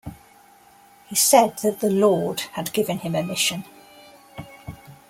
He said that the Lord had given him a mission.